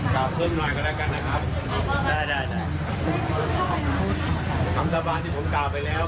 ขออนุญาตกรรมสาบานด้วยในค่ะ